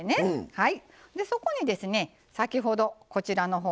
はい。